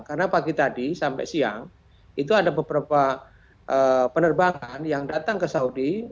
karena pagi tadi sampai siang itu ada beberapa penerbangan yang datang ke saudi